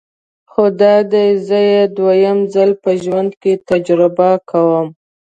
خو دادی زه یې دویم ځل په ژوند کې تجربه کوم.